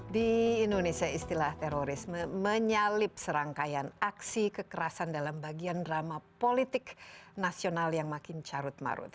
di indonesia istilah terorisme menyalip serangkaian aksi kekerasan dalam bagian drama politik nasional yang makin carut marut